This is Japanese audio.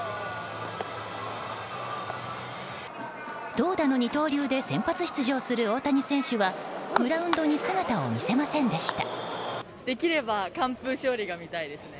投打の二刀流で先発出場する大谷翔平選手はグラウンドに姿を見せませんでした。